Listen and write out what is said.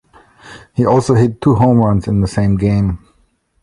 He also hit two home runs in the same game.